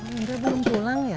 mereka belum pulang ya